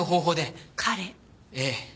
ええ。